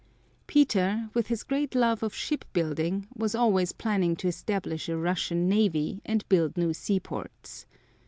Peter, with his great love of shipbuilding, was always planning to establish a Russian navy and build new seaports.